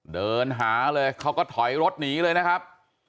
เดินหาเลยเขาก็ถอยรถหนีเลยนะครับ